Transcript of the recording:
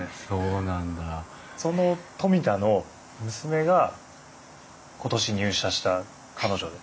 その冨田の娘が今年入社した彼女です。